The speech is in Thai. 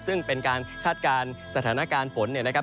ซึ่งเป็นการคาดการณ์สถานการณ์ฝนเนี่ยนะครับ